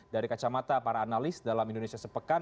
dari kacamata para analis dalam indonesia sepekan